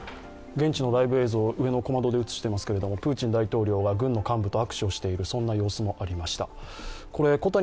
現地のライブ影像を上の小窓で映していますけれども、プーチン大統領は軍の幹部と握手をしているそんな様子もありました。